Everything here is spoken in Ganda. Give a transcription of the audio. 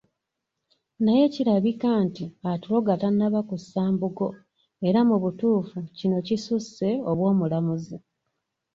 Naye kirabika nti, atuloga tannaba kussa mbugo, era mu butuufu kino kisusse obw’omulamuzi.